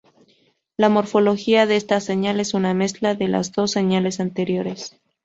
La morfología de esta señal es una mezcla de las dos señales anteriores.